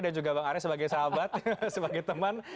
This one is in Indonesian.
dan juga bang arya sebagai sahabat sebagai teman